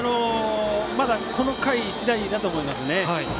まだ、この回しだいだと思いますね。